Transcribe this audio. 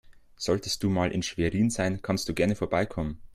Solltest du mal in Schwerin sein, kannst du gerne vorbeikommen.